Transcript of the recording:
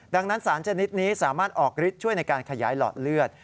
ดังนั้นสารชนิดนี้สามารถออกฤทธิ์ช่วยในการขยายหลอดเลือด